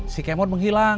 si kemot menghilang